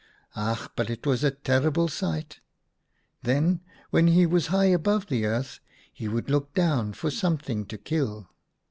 " Ach, but it was a terrible sight ! Then, when he was high above the earth, he would look down for something to kill.